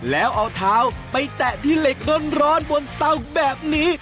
แล้วเอาเท้าไปแตะที่เหล็กร้อนบนเตาแบบนี้